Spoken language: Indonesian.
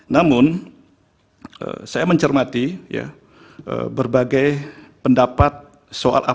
namun saya mencermati berbagai pendapat soal apa